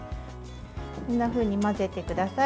こんなふうに混ぜてください。